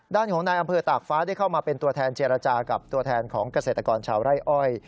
ด้านของนายอำเภอตากฟ้าได้เข้ามาเป็นตัวแทนเจรจากับตัวแทนของเกษตรกรชาวไร่อ้อย